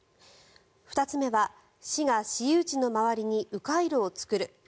２つ目は、市が私有地の周りに迂回路を作る。